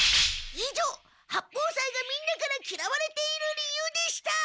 いじょう八方斎がみんなからきらわれている理由でした！